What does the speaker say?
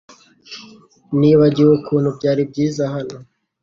Nibagiwe ukuntu byari byiza hano .